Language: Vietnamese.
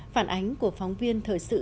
phản ánh của phóng viên thời sự